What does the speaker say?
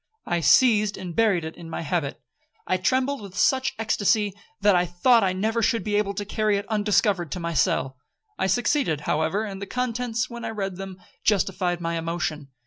I seized and buried it in my habit. I trembled with such ecstacy, that I thought I never should be able to carry it undiscovered to my cell. I succeeded, however; and the contents, when I read them, justified my emotion.